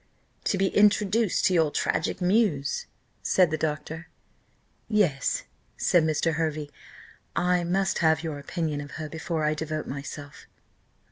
"To be introduced to your tragic muse?" said the doctor. "Yes," said Mr. Hervey: "I must have your opinion of her before I devote myself."